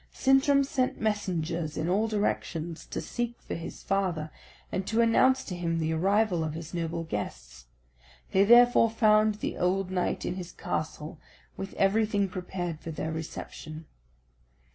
Sintram sent messengers in all directions to seek for his father, and to announce to him the arrival of his noble guests. They therefore found the old knight in his castle, with everything prepared for their reception.